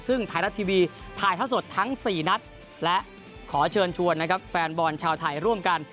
ซึ่งไทยรัฐทีวีถ่ายเท่าสดทั้ง๔นัดและขอเชิญชวนนะครับแฟนบอลชาวไทยร่วมกัน